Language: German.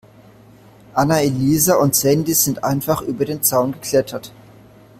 Anna-Elisa und Sandy sind einfach über den Zaun geklettert.